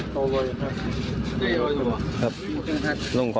พระครับร่วมยังไงพี่